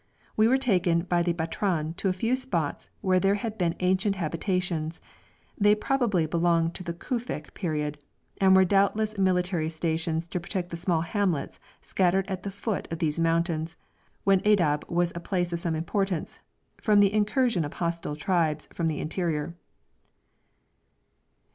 We were taken by the Batran to a few spots where there had been ancient habitations; they probably belonged to the Kufic period, and were doubtless military stations to protect the small hamlets scattered at the foot of these mountains, when Aydab was a place of some importance, from the incursion of hostile tribes from the interior.